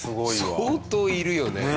相当いるよねこれ。